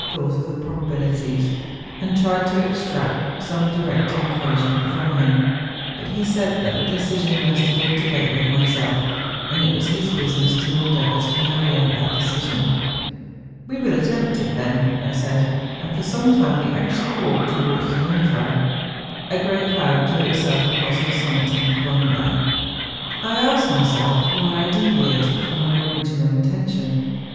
39 thought of the probabilities, and tried to extract gome direct encouragement from him; but he said that the decision rested altogether with myself, and it was his business to endeavour to carry out that decision. ' We will attempt it, then,' I said; and for some time we actually walked towards the Jung¬ frau. A grey cloud drew itself across her summit, and clung there. I asked myself why I deviated from my original intention